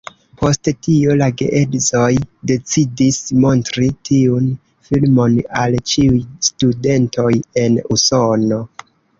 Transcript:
Post tio la geedzoj decidis montri tiun filmon al ĉiuj studentoj en Usono.